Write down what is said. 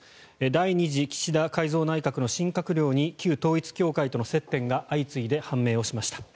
第２次岸田改造内閣の新閣僚に旧統一教会との接点が相次いで判明をしました。